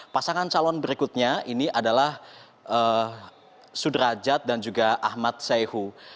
pasangan calon berikutnya ini adalah sudrajat dan juga ahmad sehu